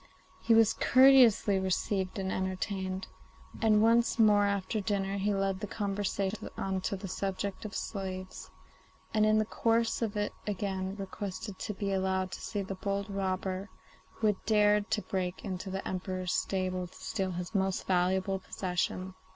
He was courteously received and entertained, and once more after dinner he led the conversation on to the subject of slaves, and in the course of it again requested to be allowed to see the bold robber who had dared to break into the Emperor's stable to steal his most valuable possession.